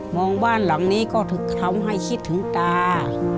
บ้านหลังนี้ก็ถูกทำให้คิดถึงตา